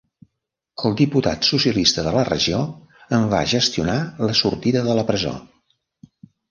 El diputat socialista de la regió en va gestionar la sortida de la presó.